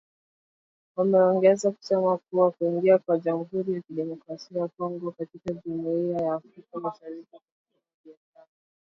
Wameongeza kusema kuwa kuingia kwa Jamhuri ya Kidemokrasia ya Kongo katika Jumuiya ya Afrika Mashariki kutapanua biashara